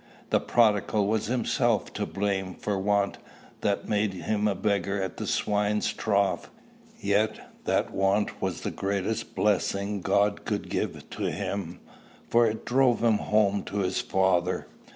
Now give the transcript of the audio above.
The prodigal was himself to blame for the want that made him a beggar at the swine's trough; yet that want was the greatest blessing God could give to him, for it drove him home to his father.